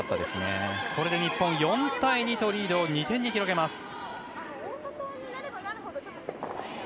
これで日本、４対２とリードを２点に広げます。